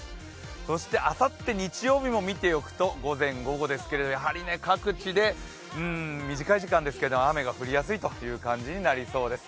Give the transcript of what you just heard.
そしてあさって日曜日も見ておくと、午前、午後ですけどやはり各地で、短い時間ですけど雨が降りやすいという感じになりそうです。